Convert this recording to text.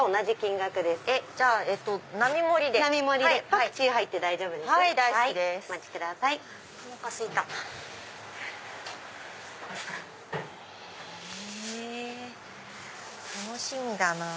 楽しみだなぁ。